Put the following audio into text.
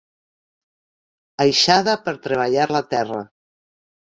Aixada per treballar la terra.